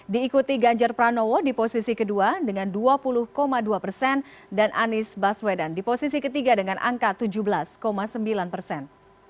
diikuti ganjar pranowo di posisi kedua dengan dua puluh dua persen dan anies baswedan di posisi ketiga dengan angka tujuh belas sembilan persen